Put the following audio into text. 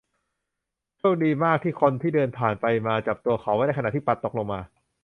โชคดีมากที่คนที่เดินผ่านไปมาจับตัวเขาไว้ได้ขณะที่พลัดตกลงมา